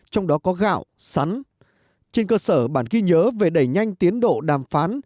trong đó có gạo sắn trên cơ sở bản ghi nhớ về đẩy nhanh tiến độ đàm phán